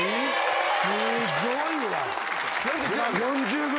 すごいわ。